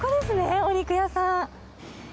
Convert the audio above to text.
お肉屋さん。